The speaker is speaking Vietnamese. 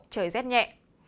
trời rét nhẹ